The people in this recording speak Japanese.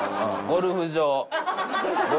ゴルフ場。